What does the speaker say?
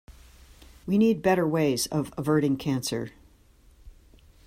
We need better ways of averting cancer.